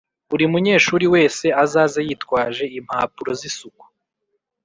Buri munyeshuri wese azaze yitwaje impapuro zisuku